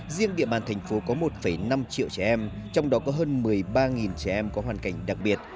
riêng địa bàn thành phố có một năm triệu trẻ em trong đó có hơn một mươi ba trẻ em có hoàn cảnh đặc biệt